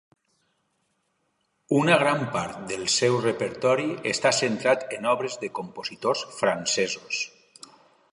Una gran part del seu repertori està centrat en obres de compositors francesos.